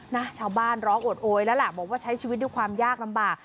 นะชาวบ้านร้องโอดโอยแล้วล่ะบอกว่าใช้ชีวิตด้วยความยากลำบาก